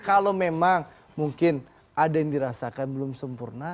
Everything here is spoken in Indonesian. kalau memang mungkin ada yang dirasakan belum sempurna